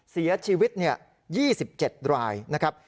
เสียชีวิต๒๗รายนะครับ